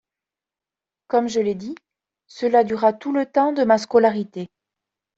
Comme je l’ai dit, cela dura tout le temps de ma scolarité.